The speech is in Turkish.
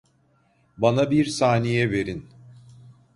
Bana bir saniye verin.